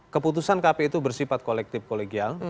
keputusan kpu itu bersifat kolektif kolegial